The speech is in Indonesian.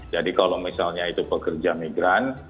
jadi kalau misalnya itu pekerja migran